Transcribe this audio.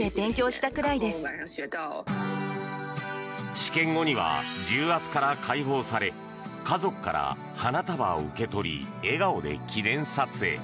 試験後には重圧から解放され家族から花束を受け取り笑顔で記念撮影。